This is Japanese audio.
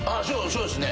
そうですね。